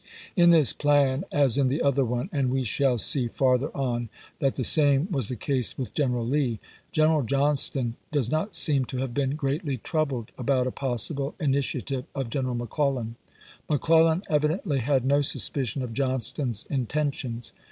In this plan, as in the other one, — and we shall see, farther on, that the same was the case with G eneral Lee, — General Johnston does not seem to have been greatly troubled about a possible initia tive of General McClellan. McClellan evidently had no suspicion of Johnston's intentions.